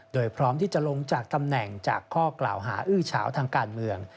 โดยพร้อมที่จะลงจากตำแหน่งจากข้อกล่าวหาอื้อเฉาทางการเมือง